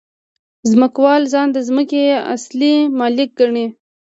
ځمکوال ځان د ځمکې اصلي مالک ګڼي